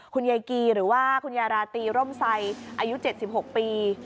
คุณยายกีหรือว่าคุณยายราตรีร่มไซอายุ๗๖ปี